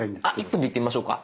１分でいってみましょうか。